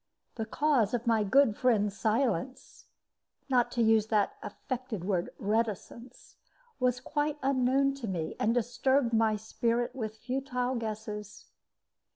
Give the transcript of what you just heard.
The cause of my good friend's silence not to use that affected word "reticence" was quite unknown to me, and disturbed my spirit with futile guesses.